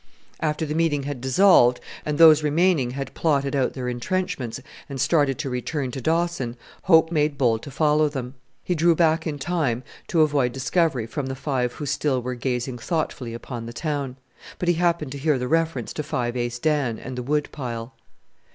After the meeting had dissolved, and those remaining had plotted out their entrenchments and started to return to Dawson, Hope made bold to follow them. He drew back in time to avoid discovery from the five who still were gazing thoughtfully upon the town; but he happened to hear the reference to Five Ace Dan and the Wood pile.